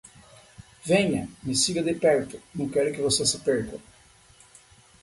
Venha, me siga de perto, não quero que você se perca.